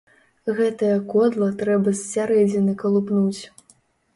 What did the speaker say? Гэтае кодла трэба з сярэдзіны калупнуць.